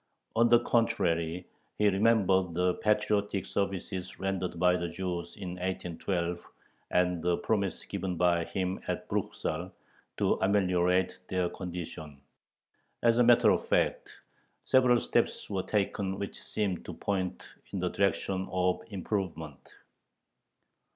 On the contrary, he remembered the patriotic services rendered by the Jews in 1812 and the promise given by him at Bruchsal "to ameliorate their condition." As a matter of fact, several steps were taken which seemed to point in the direction of improvement.